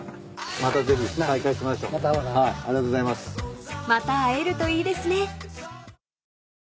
［また会えるといいですね］